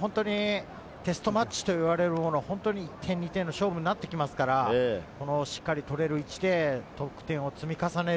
本当にテストマッチと言われるものは１点、２点の勝負になってきますから、しっかり取れる位置で得点を積み重ねる。